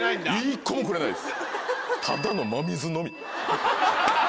１個もくれないです。